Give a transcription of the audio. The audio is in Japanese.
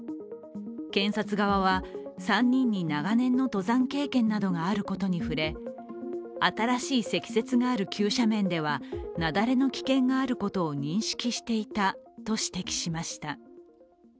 検察側は、３人に長年の登山経験があることなどに触れ新しい積雪がある急斜面では雪崩の危険があることを認識していたと指摘しました。